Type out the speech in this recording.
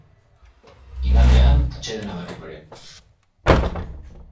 Igandean, atsedena berriro ere.